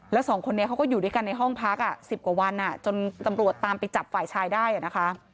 แล้วสองคนนี้เขาก็อยู่ด้วยกันในห้องพัก๑๐กว่าวันจนตำรวจตามไปจับฝ่ายชายได้นะคะ